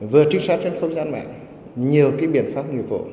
vừa trích sát trên không gian mạng nhiều cái biện pháp nhiệm vụ